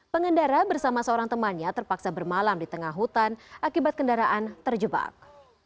pengendara bersama seorang temannya terpaksa bermalam di tengah hutan akibat kendaraan terjebak